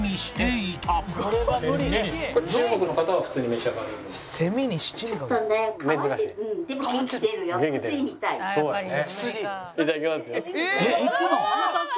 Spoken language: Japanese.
いただきますよ。